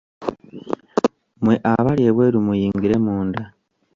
Mmwe abali ebweru muyingire munda.